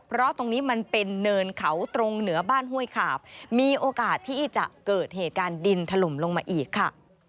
เพราะตรงนี้มันเป็นเนินเขาตรงเหนือบ้านห้วยขาบมีโอกาสที่จะเกิดเหตุการณ์ดินถล่มลงมาอีกค่ะ